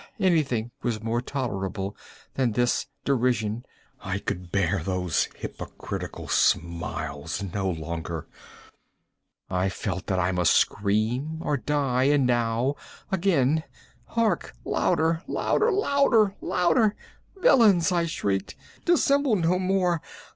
Anything was more tolerable than this derision! I could bear those hypocritical smiles no longer! I felt that I must scream or die! and now—again!—hark! louder! louder! louder! louder! "Villains!" I shrieked, "dissemble no more!